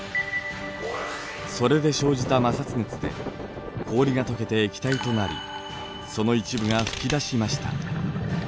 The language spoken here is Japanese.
それで生じた摩擦熱で氷がとけて液体となりその一部が吹き出しました。